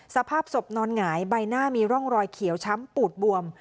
สภาพศพนอนหงายใบหน้ามีร่องรอยเขียวช้ำปูดบวม